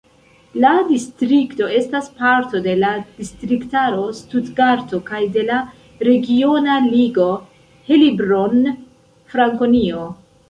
La distrikto estas parto de la distriktaro Stutgarto kaj de la regiona ligo Heilbronn-Frankonio.